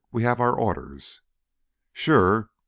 "We have our orders." "Sure.